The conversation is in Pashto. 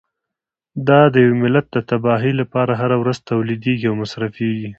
دا د یوه ملت د تباهۍ لپاره هره ورځ تولیدیږي او مصرفیږي.